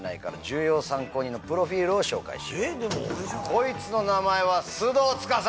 こいつの名前は須藤宰。